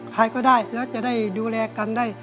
ใครก็ได้แล้วจะได้ดูแลกันได้